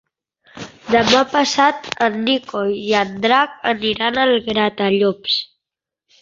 Demà passat en Nico i en Drac aniran a Gratallops.